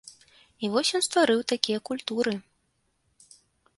І вось ён стварыў такія культуры.